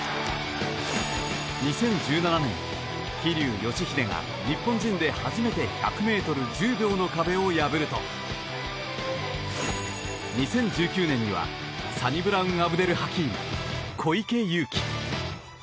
２０１７年、桐生祥秀が日本人で初めて１００ｍ１０秒の壁を破ると２０１９年にはサニブラウン・アブデル・ハキーム小池祐貴。